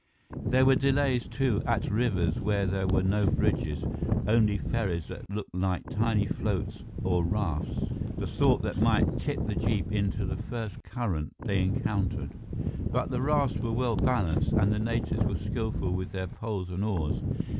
There were delays, too, at rivers where there were no bridges, only ferries that looked like tiny floats or rafts, the sort that might tip the jeep into the first current they encountered. But the rafts were well balanced, and the natives were skillful with their poles and oars.